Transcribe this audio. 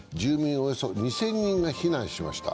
およそ２０００人が避難しました。